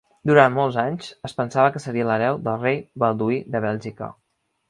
Durant molts anys, es pensava que seria l'hereu del rei Balduí de Bèlgica.